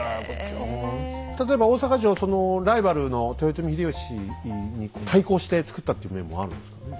例えば大坂城ライバルの豊臣秀吉に対抗して造ったっていう面もあるんですか？